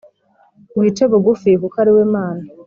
wice bugufi - kukw’ari we Mana.